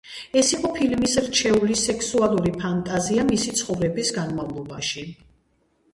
ეს იყო ფილიპის რჩეული სექსუალური ფანტაზია მისი ცხოვრების განმავლობაში.